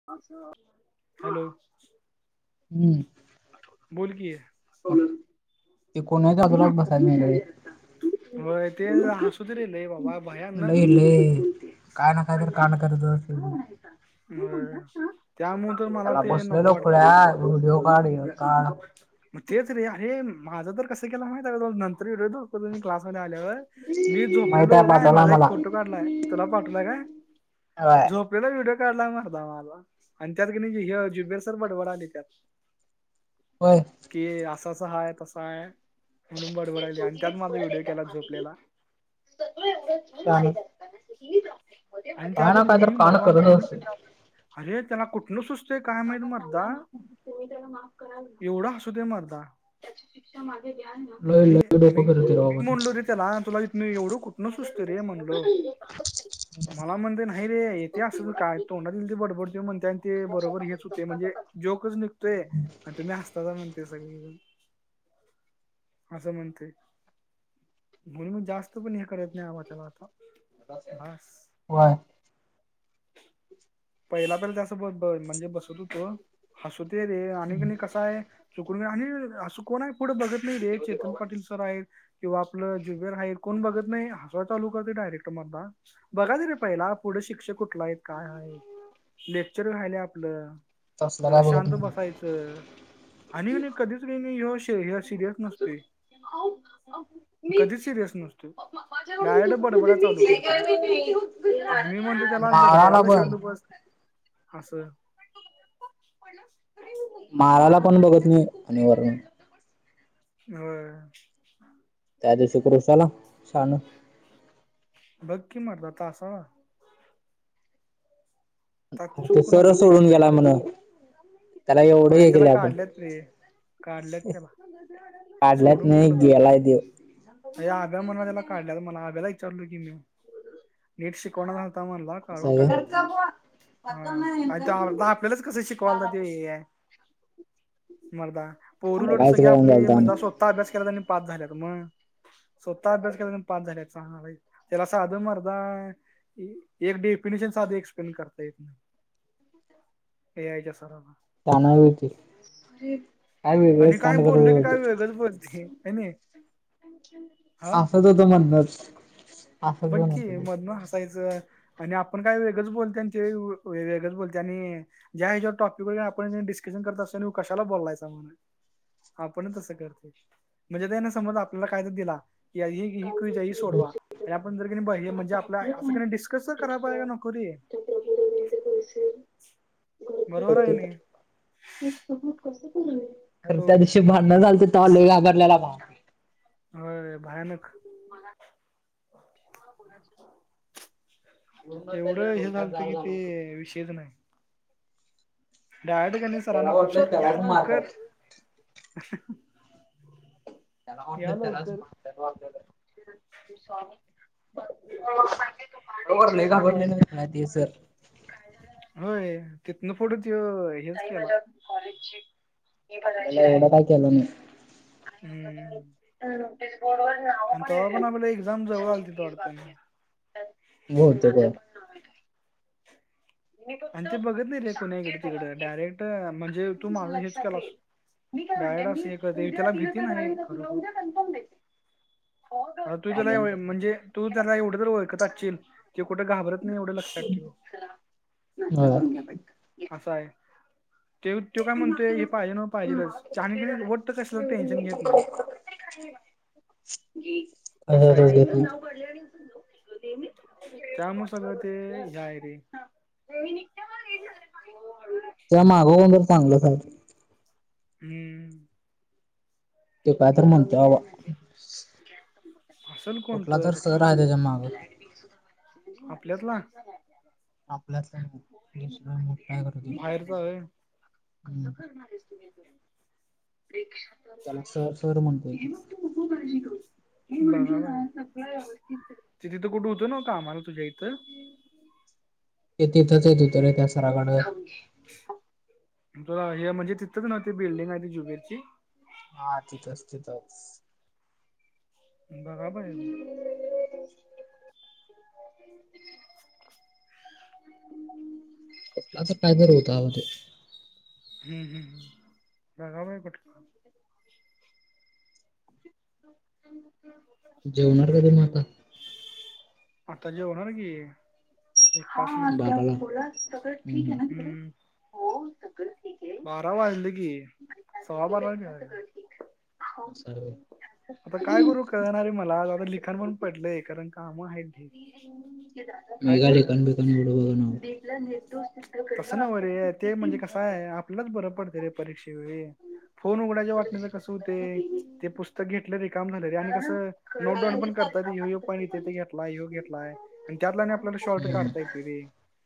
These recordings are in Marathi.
[unintelligible] हॅलो. हम्म. बोल की. ते कुणाच्या अजूला बसाय नेलंय होय ते हसूतय लई बाबा. भयानक लई, हसू दे लई काय ना काय तर, काय ना तर दररोज हे [unintelligible] म, त्यामुळ मला त्याला ते नको बसलेलो वाटतय. [unintelligible] मग तेच रे, अरे माझं तर कसं केला माहितयं का नंतर व्हिडीओ तो क्लासमध्ये आल्यावर मी माहित झोपलेलो हो आहे काय पाठवला माझा एक मला फोटो काढलाय तुला पाठवला काय? [unintelligible] झोपलेला व्हिडिओ काढलाय मरदा माझा आणि त्यात कणी जुबेर सर बडबडलाय त्यात. होय. कि असं, असं हाय तसं हाय म्हणून बडबडायाली आणि त्यात माझा व्हिडिओ केलाय झोपलेला. [unintelligible] काय आणि त्यावर ना काय तर मी कांड बाबा करतच म्हणून मी असतो त्या- अरे त्याला कुठनं सुच काका सांगा ना, तुम्ही त्याला माफ कराल? एवढा हासूतय मरदा. त्याची शिक्षा माघे घ्याल ना? अ रे मी, मी म्हणलो रे त्याला, तुला इतनएवढं कुठ न सूचतय रे म्हणल, मला म्हणतयं नाही नाही रे येते असच काय, तोंडातील ते बडबडतोय म्हणते आणि ते बरोबर हेच होतयं म्हणजे जोकच निघ तोय, आणि तुम्ही असतासा म्हणतोय सगळीजण असं म्हणतयं, म्हणून जास्त पण हे करत नाही आबा त्याला आता बास व्हय पहिला तर ते असं म्हणजे ब बसत होतो असू दे रे आणि कणी कस हाय चुकून आणि असं कोण हाय पुढ बघत नाही रे, चेतन पाटील सर आहेत किंवा आपलं ज्युबिअर आहेत कोण बघत नाही, हसत चालू करतय डायरेक्टर मर्दा, बघायचं रे पहिला पुढ शिक्षक कुठला आहेत काय आहेत लेक्चर राहिलंय आपलं, तसलं जरा काय बघत शांत नाही बसायचं आणि कणी कधीच ही ह्यो सिरियस नसतोय [unintelligible] कधी सिरीयस नसतोय. डायरेक्ट बडबडाय चालू करतो बघ केलं. आणि मी म्हणतो त्याला जरा माळाला तर शांत पण बस. असं. माराला पण बघत नाही आणि वरणं. होय. त्या दिवशी क्रुशला छान बघ की मारता तासाला. त्यात चुक तो कोणाची सरच होती काय सोडून गेला माहीत नाही म्हण सोड. त्याला एवढं नाही हे तेला केलं आपण काढलेत रे काढलेत त्याला. काढल्यात नाही गेलाय त्यो. अ आब्या म्हणायलेला काढल्यात म्हणला आब्याला विचारलो की मी, नीट शिकवणा झालता म्हणला. काढून अरे टाकलंय त्याला हा आणि ते आपल्यालाच कसं शिकवायल ते ए आय. [inaudible] मर्दा पोरं उलट कायच सगळी कळण आपली झालत आणि म्हणजे स्वतः अभ्यास केलानी पास झाल्यात मग. स्वतः अभ्यास केलात अन् पास झाल्या चांगलय. त्याला साधं मर्दा एक डेफिनेशन साधं एक्सप्लेन करता येत नाही. ए आय च्या सराला. [unintelligible] होती. काय आणि वेगळेच काय कांड करत बोललं की होते काय वेगळंच बोलते क नी? हसतं होतं मधनचं. बघ की मधन हसायचं. आणि आपण काय वेगळंच बोलत्या ते वेगळंच बोलते आणि ज्या ह्याच्या टॉपिक वर आपण डिस्कशन करत असतो कशाला बोलायचा म्हणे. आपण तसं करते म्हणजे त्याने समज आपल्याला काय तर दिला की ही कज आहे हि सोडवा. आणि आपण जर की नई पाहिजे म्हणजे आपला असं क नी डिस्कस तर कराय पाहिजे का नको रे. बरोबर आहे का नाही? [unintelligible] कसं बोलय. हॅलो. ते भांडण झालते तेव्हा लई घाबरल्याला. होय भयानक. पूर्ण त्याच्या एवढं हे डोक्यात झालतं जाळ की झाला ते होता. विषयच नाही. डायरेक्ट क नाही त्याला सरांना वाटलं सर त्यालाच या मारतात लवकर. त्याला या वाटलं त्यालाचं लवकर मारतेत वाटलेलं. तेव्हाचं लई घाबरलेलं का नाय ते सर? होय तिथनं पुढं त्यो [unintelligible] हेच केला एवढं काय केलं नाही. आणि आता हम्म तर नोटीस बोर्ड वर नाव आणि पण तेव्हा आपल्याला एक्झाम लिहिलेली जवळ ज्यांची आलती फी वाटतं बाकी ना. आहेत. [unintelligible] आणि ते बघत नाही रे कोणा इकडं तिकडं डायरेक्ट म्हणजे तू माझा हेच केलास. डायरेक्ट असं हे करते त्याला भीती नाही खरोखर. हो ग आता तू काही त्याला म्हणजे तू त्याला एवढं तर ओळखत अचील ते कुठं घाबरत नाही एवढं लक्षात ठेव. [unintelligible] हा. असं आहे. ते त्यो काय म्हणतोय हे पाहिजे न पाहिजेलच आणि तेनी वाट्टचं कसलं टेन्शन घेत नाही. [unintelligible] असं आहे तेे, त्यामु सगळं ते ह्या आहे रे. मी निघते मग [unintelligible] त्या [unintelligible] जर चांगलं झाल. हम्म. ते काय तर म्हणत बा? असेल कोण कुठला तर सर काय आहे माहित त्याच्या माग. आपल्यातला आपल्या स [unintelligible] मोठा काय करू बाहेरचा होय [unintelligible] त्याला सर-सर म्हण. हे मग तू नको काळजी करू. बघा बाय तिथे तर कुठे होतं ना आम्हाला तुझ्या इथ ते तिथंच येत हो तरे त्या सराकडे तुला हे म्हणजे तिथंच ना ते बिल्डिंग आहे ती जुबेरची. हा तिथसं- तिथंच. बगा बाय मग. [unintelligible] अस कायदर होत आव ते. हम्मं हम्मं, बघा बाय कोठ जेवणार कधी म आता? आता जेवणार की. एक हा पाच मिनिटात [unintelligible] बोला सगळं ठीक आहे ना. हम्म. हो सगल. बारा वाजलं की, सव्वा बारा वाजले होय. हो सर्व आता काय करू कळणा रे मला आ आता लिखाण म्हणून पण पडलंय कारण काम हाईत. मेघाडी कण. [unintelligible] तसं नव रे ते म्हणजे कसं आहे आपल्याच बरं पडत रे परीक्षेवेळी. फोन उघडाच्या वाटण्याच कसं होते ते पुस्त घेतले रे काम झाले रे आणि कसं नोटडान पण करतात ह्यो पाणीेते तेे घेतलाय ह्यो घेतलाय. आणि त्यातला आपल्याला शॉर्ट काढता येते रे.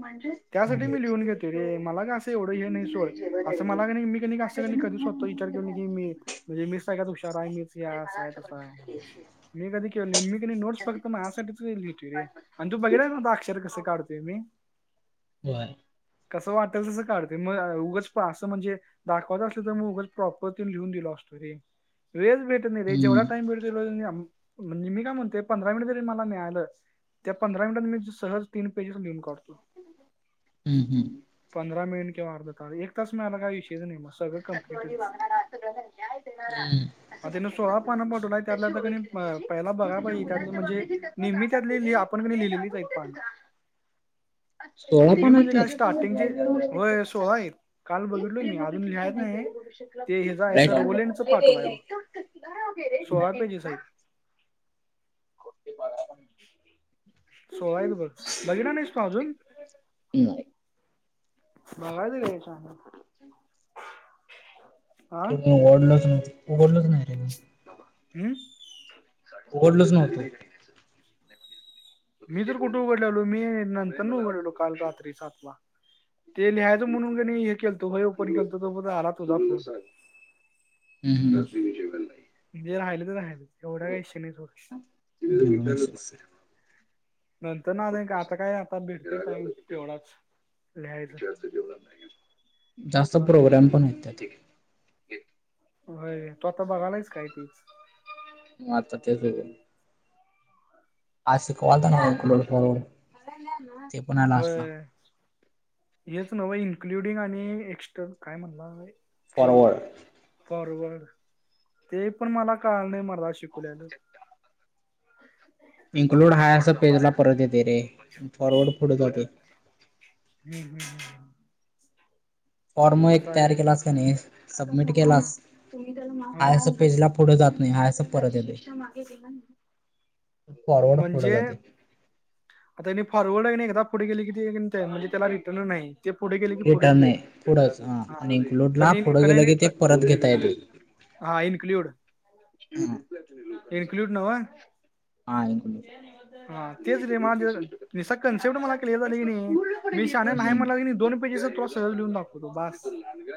म्हणजे? तडी मी लिहून घेते रे मला का असं एवढं हे नाही सोर असं मला कनाई क असं क कधीच स्वतः विचार के नाही की मी म्हणजे मी सगळ्यात हुशार आहे मीच या असं आहे तसं आहे. मी कधी केलो नाही मी कनई नोटस बघत मआसासाठीच लिहितो रे. आणि तू बघितलास ना आता अक्षर कस काढोय मी? [unintelligible] कसं वाटेल तसं काढते मग उगच असं म्हणजे दाखवायत असल तर म उगाच प्रॉपर न लिहून दिल असतो र वेळच भेट [unintelligible] रे जेवढा हम्म टाइम भेटतो रोज म्हणजे मी काय म्हणतो पंधरा मिनिट तरी मला मिळालं. त्या पंधरा मिनिटात मी सहज तीन पेजेस लिहून काढतो. हं हं. पंधरा मिनिट किंवा अर्धा तास एक तास मिळाला काय विषयच नाही मग सगळं कंप्लीटच. आ त्यानं सोळा पान पाठवला त्यातलं त कनाय हो पहिला बघायला पाहिजे त्यातली म्हणजे निम्मी त्यातली आपण की लिहिलेलीच आहेत पान. सोळा पान म्हणजे आहेत काय ते? स्टार्टिंगचे होय [inaudible] सोळा आहेत काल बघितलो मी अजून लिहायचं नाही ते ह्याचा आहे सर ओलेंडचं पाठवलं आहे सोळा [unintelligible] पेजेस आहेत. [unintelligible] सोळा आहेत बघ. बघितला नाहीस तू अजून? नाही. बघायचं रे सांगून. हा? ते मी उघडलोच नाही, उघडलोच नाही रे. मी हम्म. उघडलोच नव्हतो. मी तर कुठे उघडलेलो मी नंतर न उघडलेलो काल रात्री सात ला. ते लिहायचं म्हणून क णी हे केलतो होय ओपन केलतो तो पर्यंत आला तुझा फोन. हम्म, हम्म. जे राहील ते राहीलच एवढा काय विषय नाही सोड. [inaudible] [unintelligible] नंतर ना नाही का आता काय आता भेटतो टाईम तेवढाच. लिहायचं जास्त बघायचं. प्रोग्राम पण होता ते. होय तू आता बघालायस काय तेच? मग आता तेच [unintelligible] होय. तेच न्हव इन्क्लुडिंग आणि एक्स्टर्न काय म्हणला ऑल फॉरवर्ड फॉरवर्ड ते पण मला कळाल नाही मर्दा शिकवलेल. इनक्लुड हाय असं पेज ला परत येतंय रे आणि फॉरवर्ड पुढ जातेय. हं हं हं. फॉर्म एक तयार व्हय ते केलास की नाही सबमिट हा केलास हा हाय असं पेज ला पुढे जात नाही हा अस परत येतंय. म्हणजे आता त्यांनी फॉरवर्ड आहे नाही एकदा पुढे गेलं की नी ते म्हणजे त्याला रिटर्न नाही ते पुढे गेले की पुढेच इथं नाही गेलं पुढंच हा आणि इनक्लूड ला कने पुढ गेलं कने की ते क- परत घेता येत. हा इन्क्लूड, हा इन्क्लूड न्हव? हा इन्क्लुड. हा तेच रे मला निसता कन्सेप्ट मला क्लिअर झाली की नाही मी शहाण्या नाही म्हंटलास की नी दोन पेजेस तुला तर लिहून दाखवतो बास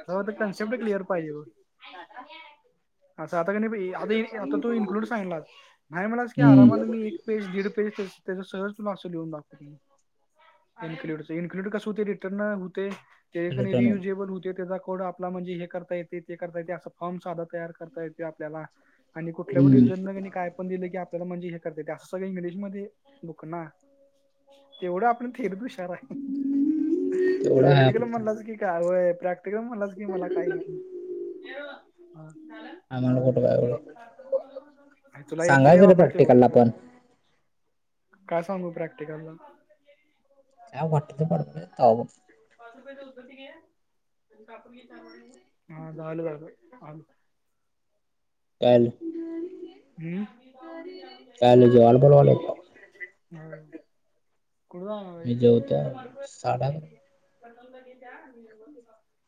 जवा ते कन्सेप्ट क्लिअर पाहिजे. असं आता की नी आता आता तू इन्क्लूड सांगितला नाही म्हंटलास की आरामने मी एक एक पेज, दीड पेज त्याच सहज तुला असं लिहून दाखवतो मी. इन्क्लूडच, इन्क्लुड कस होतंय रिटर्न होतंय त्याचं की न रिटर्न होत रियुजेबल होतंय त्याचा कोड आपण आपलं म्हणजे हे करता येते ते करता असं फॉर्म साधा तयार करता येते आपल्याला आणि कुठल्या पण हम्म युजरन काय पण दिलं की आपल्याला म्हणजे हे करता येतं ते असं म्हणजे इंग्लिश मध्ये बुकना तेवढं आपण थेरी खरं आहे तेवढं आहे प्रॅक्टिकल आपलं. म्हणालास की काय होय प्रॅक्टिकल म्हणालास ते मला काही येत नाही, आम्हाला हा आलो. कुठं काय एवढं तुला येतंय रे सांगायचं बाबा तेवढं प्रॅक्टिकलला तर. पण काय सांगू प्रॅक्टिकलला? काय वाटेल ते पाठवतात [inaudible] [unintelligible] पाच रुपये उदबत्ती घे कापूर विचार वड्या, हा झालं, झालं आलो. काल झालं? [inaudible] हम्म. जेवायला बोलवायला [inaudible] हो मी जेवतो साधा [unintelligible]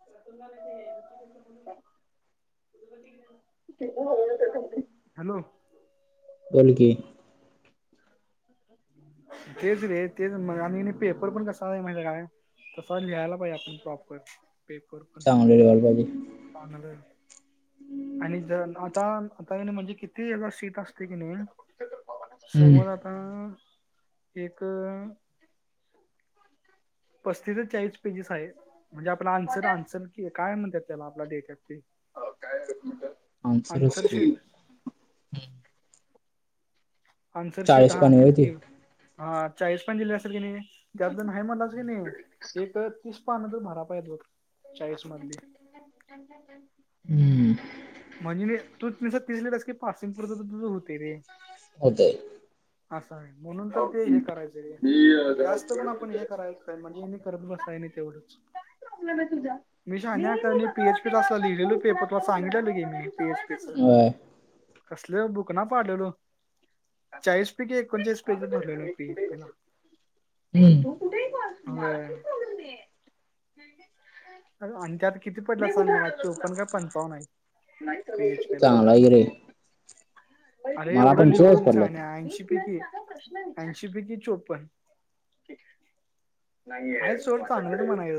[unintelligible] [unintelligible] हॅलो. बोल की. तेच रे, तेच. मग आणि पेपर पण कसा आहे माहिते काय? तसा लिहायला पाहिजे आपण प्रॉपर पेपर. पण चांगले [unintelligible] [unintelligible] आणि ज आता, म्हणजे किती हेचा सीट असते की नाही [inaudible] हम्म समज आता एक पस्तीस ते चाळीस पेजेस आहे. म्हणजे आपला आन्सर, आन्सर कि काय म्हणतात त्याला आपल्या देशात ते? [inaudible] आनसरच आन्सर की. शीट आन्सर शीट चाळीस हा पाणी तीच होती की. हा चाळीस पाणी दिली असेल की नाही. त्यातलं नाही म्हनलास की नाही, एक तीस पान तर भारा पाहिजे बघ चाळीस मधली. [inaudible] हम्म. म्हणजे म तू नुसतं तीस लिहलेस की पासिंग पुरतं तरी तुझं होते रे. होतंय. असं आहे म्हणून तर ते हे करायचं रे. जास्त पण आपण हे करायच काय म्हणजे मी करत बसाय नाही तेवढंच. [inaudible] मी शानण्याकरणी पीएच पीचाला लिहिलेलो पेपर तुला सांगितलें होतं की. मी पी एच पी च कसल बुक ना पाडलेलो. चाळीस पैकी एकोणचाळीस पेजी भरलेल पी एच पी ला. होय हम्म. [inaudible] अ आणि त्यात किती पडल्या सांग मला? चोपन काय पंचावन आहे. पीएचपी ला चांगलाही रे. अरे एवढं पण चेअरच लिहून पडल्यात. शाण्या. ऐशी पैकी, ऐंशी पैकी चोप्पन. ठीक हाय थोडं चांगलंच म्हणाय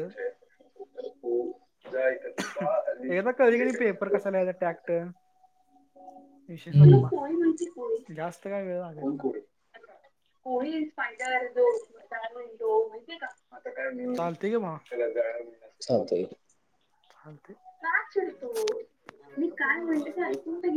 [inaudible] एकदा कळ कि नाही पेपर कसा लीहायचा टॅक्ट. हम्म [inaudible] [inaudible] विषय संपला जास्त काय वेळ लागत नाही चालते की भावा [unintelligible] चालतंय. चालतंय. का चिडतोस. मी काय म्हणते ते ऐकुन तरी